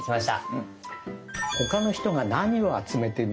うん。